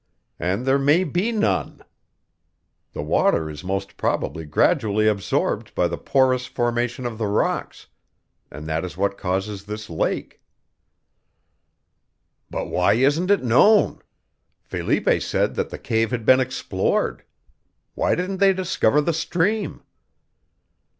And there may be none. The water is most probably gradually absorbed by the porous formation of the rocks, and that is what causes this lake." "But why isn't it known? Felipe said that the cave had been explored. Why didn't they discover the stream?"